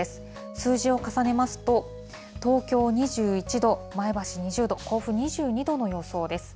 数字を重ねますと、東京２１度、前橋２０度、甲府２２度の予想です。